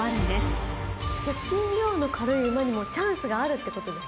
じゃあ斤量の軽い馬にもチャンスがあるってことですね？